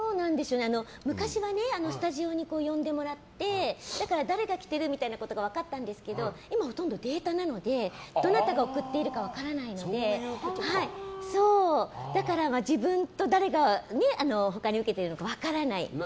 昔はスタジオに呼んでもらって誰が来てるみたいなことが分かったんですけど今、ほとんどデータなのでどなたが送っているか分からないのでだから自分と誰が他に受けてるのか分からない